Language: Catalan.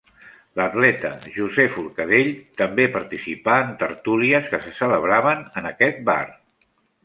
L'atleta José Forcadell també participà en tertúlies que se celebraven en aquest bar.